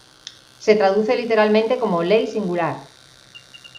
Se traduce literalmente como "ley singular".